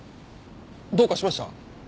どうかしました？